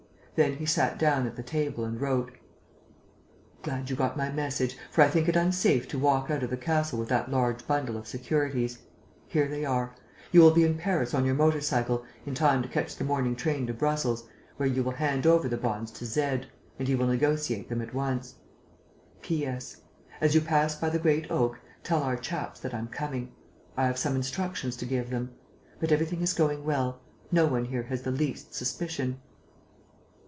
Then he sat down at the table and wrote: "Glad you got my message, for I think it unsafe to walk out of the castle with that large bundle of securities. Here they are. You will be in Paris, on your motor cycle, in time to catch the morning train to Brussels, where you will hand over the bonds to Z.; and he will negotiate them at once. "A. L. "P. S. As you pass by the Great Oak, tell our chaps that I'm coming. I have some instructions to give them. But everything is going well. No one here has the least suspicion."